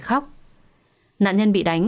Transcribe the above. khóc nạn nhân bị đánh